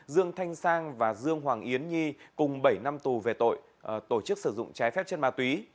dương thanh sang và dương hoàng yến nhi cùng bảy năm tù về tội tổ chức sử dụng trái phép chất ma túy